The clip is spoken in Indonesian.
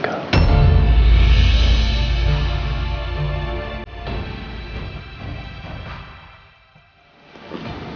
yuk beritahu suaminya